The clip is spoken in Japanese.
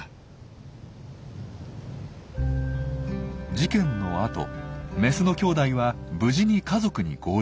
事件のあとメスのきょうだいは無事に家族に合流。